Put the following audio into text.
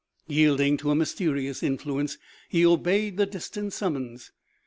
Yielding to a mysterious influence, he obeyed the distant summons.